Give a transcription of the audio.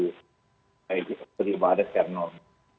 nah ini seperti pada sernon